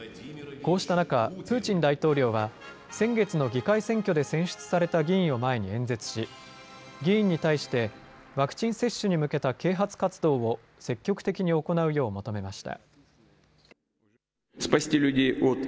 こうした中、プーチン大統領は先月の議会選挙で選出された議員を前に演説し議員に対してワクチン接種に向けた啓発活動を積極的に行うよう求めました。